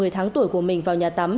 một mươi tháng tuổi của mình vào nhà tắm